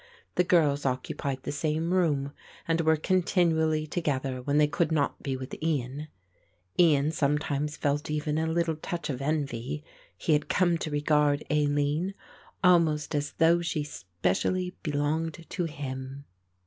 The girls occupied the same room and were continually together when they could not be with Ian. Ian sometimes felt even a little touch of envy; he had come to regard Aline almost as though she specially belonged to him.